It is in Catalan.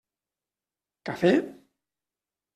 Cafè?